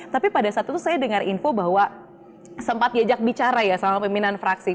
tapi pada saat itu saya dengar info bahwa sempat diajak bicara ya sama pimpinan fraksi